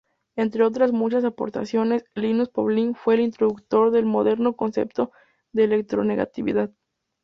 Entre otras muchas aportaciones, Linus Pauling fue el introductor del moderno concepto de electronegatividad.